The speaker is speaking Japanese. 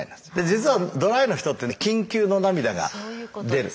実はドライアイの人って緊急の涙が出る。